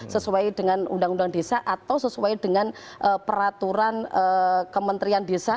sesuai dengan undang undang desa atau sesuai dengan peraturan kementerian desa